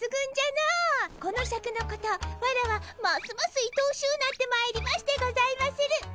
このシャクのことワラワますますいとおしゅうなってまいりましてございまする。